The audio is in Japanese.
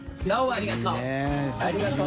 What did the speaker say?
ありがとう！